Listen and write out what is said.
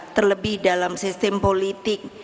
terlebih dalam sistem politik